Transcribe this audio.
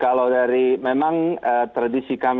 kalau dari memang tradisi kami